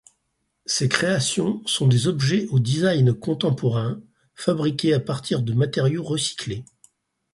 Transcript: Ses créations sont des objets au design contemporain, fabriqués à partir de matériaux recyclés.